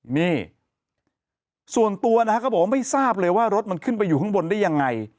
นี่ส่วนตัวนะฮะก็บอกว่าไม่ทราบเลยว่ารถมันขึ้นไปอยู่ข้างบนได้ยังไง